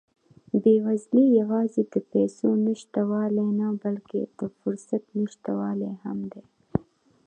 بېوزلي یوازې د پیسو نشتوالی نه، بلکې د فرصت نشتوالی هم دی.